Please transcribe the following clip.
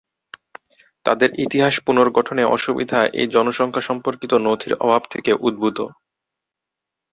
তাদের ইতিহাস পুনর্গঠনে অসুবিধা এই জনসংখ্যা সম্পর্কিত নথির অভাব থেকে উদ্ভূত।